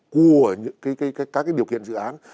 của các cái điều kiện dự án